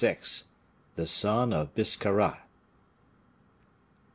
The Son of Biscarrat.